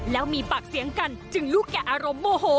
แล้วมีปากเสียงกันจึงลูกแก่อารมณ์โมโห